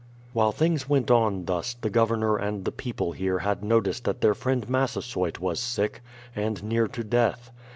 While things went on thus, the Governor and the people here had notice that their friend Massasoyt was sick, and near to death.